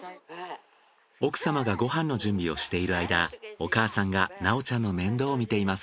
奥様がご飯の準備をしている間お母さんが菜緒ちゃんの面倒を見ています。